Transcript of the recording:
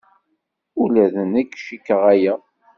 Ula d nekk cikkeɣ aya.